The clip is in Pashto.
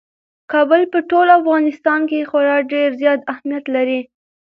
کابل په ټول افغانستان کې خورا ډېر زیات اهمیت لري.